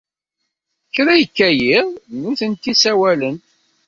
Kra yekka yiḍ, nitenti ssawalent.